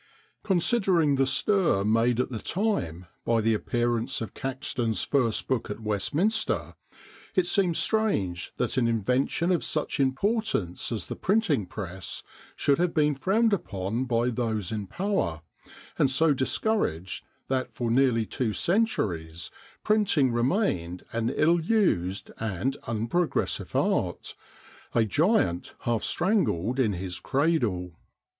Considering the stir made at the time by the appearance of Caxton's first book at Westminster, it seems strange that an invention of such importance as the printing press should have been frowned upon by those in power, and so discouraged that for nearly two centuries printing remained an ill used and unprogressive art, a giant half strangled in his cradle.